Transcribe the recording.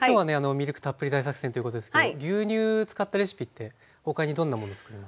「ミルクたっぷり大作戦！」っていうことですけど牛乳使ったレシピって他にどんなものつくるんですか？